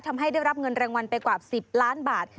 ทำให้ได้รับเงินรางวัลไปกว่า๑๐ล้านบาท